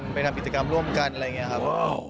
ทำกิจกรรมร่วมกันอะไรอย่างนี้ครับ